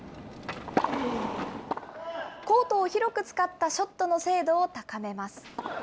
コートを広く使ったショットの精度を高めます。